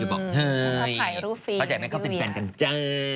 บอกเฮ้ยเขาอยากให้เขาเป็นแฟนกันจ้ะ